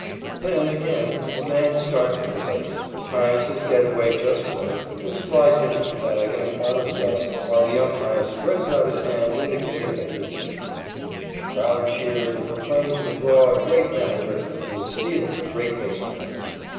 Then, again, a man starts for the base, times his get away just right, and slides into the bag in a cloud of dust while the umpire spreads out his hands indicating that he is safe. The crowd cheers and proclaims McGraw a great manager and the stealer a great base runner.